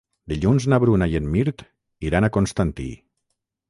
Dilluns na Bruna i en Mirt iran a Constantí.